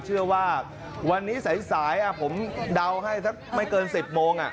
เชื่อว่าวันนี้สายผมเดาให้สักไม่เกิน๑๐โมง